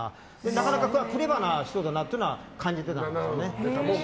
なかなかクレバーな人だなとは感じてたんですね。